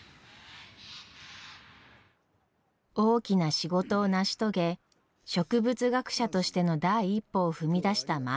大きな仕事を成し遂げ植物学者としての第一歩を踏み出した万太郎は。